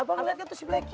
abang liat gak tuh si blacky